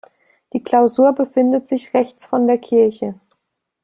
Die Klausur befindet sich rechts von der Kirche.